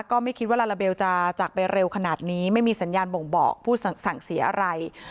ก็ไม่คิดว่าลาลาเบลจะจากไปเร็วขนาดนี้ไม่มีสัญญาณบ่งบอกผู้สั่งเสียอะไร